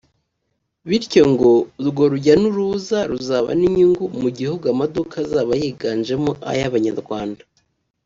bityo ngo urwo rujya n’uruza ruzaba n’inyungu mu gihugu amaduka azaba yiganjemo ay’Abanyarwanda